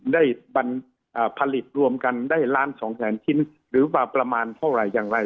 ได้ผลิตรวมกันได้ล้านสองแสนชิ้นหรือว่าประมาณเท่าไหร่อย่างไร